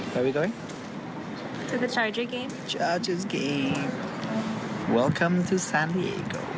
ไปไหนนะ